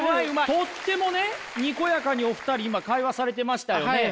とってもねにこやかにお二人今会話されてましたよね？